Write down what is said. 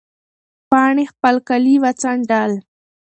پاڼې خپل کالي وڅنډل.